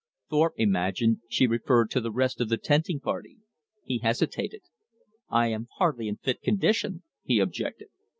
Thorpe imagined she referred to the rest of the tenting party. He hesitated. "I am hardly in fit condition," he objected.